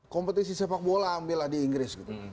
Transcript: kompetisi sepak bola ambillah di inggris gitu